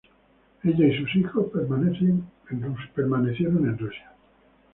Ella y sus hijos permanecieron en Rusia.